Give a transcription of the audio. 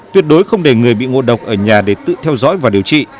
tuyệt đối không để người bị ngộ độc ở nhà để tự theo dõi và điều trị